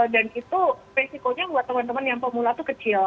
dan itu resikonya buat teman teman yang pemula itu kecil